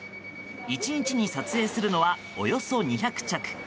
１日に撮影するのはおよそ２００着。